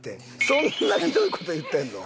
そんなひどい事言ってんの？